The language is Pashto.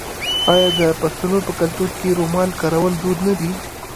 آیا د پښتنو په کلتور کې د رومال کارول دود نه دی؟